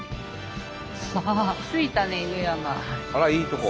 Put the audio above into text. あらいいとこ。